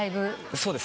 そうです。